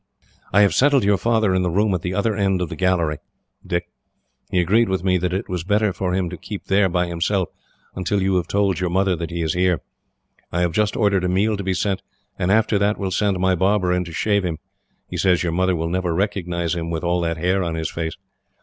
"I have settled your father in the room at the other end of the gallery, Dick. He agreed with me that it was better for him to keep there, by himself, until you have told your mother that he is here. I have just ordered a meal to be sent, and after that will send my barber in to shave him. He says your mother will never recognise him, with all that hair on his face.